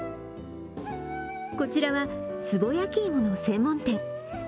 こちらは、つぼ焼き芋の専門店。